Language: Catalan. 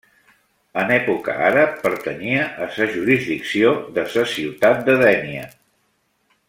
En època àrab pertanyia a sa jurisdicció de sa ciutat de Dénia.